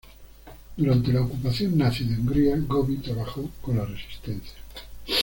Durante la ocupación nazi de Hungría, Gobbi trabajó con la Resistencia.